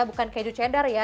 bukan keju cheddar ya